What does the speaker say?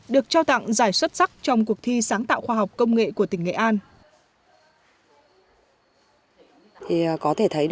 được trao tặng giải xuất sắc trong cuộc thi sáng tạo khoa học công nghệ của tỉnh nghệ an